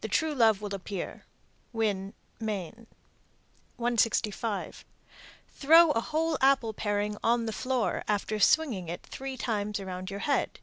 The true love will appear. Winn, Me. 165. Throw a whole apple paring on the floor, after swinging it three times around your head.